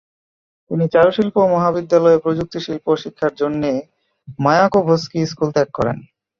তিনি চারুশিল্প মহাবিদ্যালয়ে প্রযুক্তিশিল্প শিক্ষার জন্যে মায়াকোভস্কি স্কুল ত্যাগ করেন।